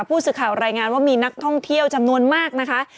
ผู้สื่อข่าวรายงานว่ามีนักท่องเที่ยวจำนวนมากนะคะ